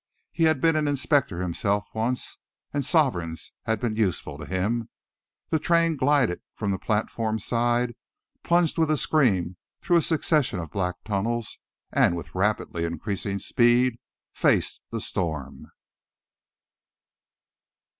He had been an inspector himself once, and sovereigns had been useful to him, too. Then the train glided from the platform side, plunged with a scream through a succession of black tunnels, and with rapidly increasing speed faced the storm.